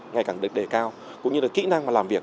ngày càng đề cao cũng như là kỹ năng làm việc